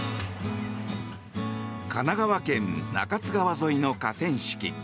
神奈川県・中津川沿いの河川敷。